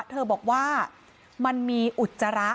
เธอบอกว่ามันมีอุจจาระ